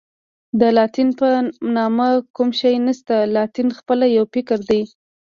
د لاتین په نامه کوم شی نشته، لاتین خپله یو فکر دی.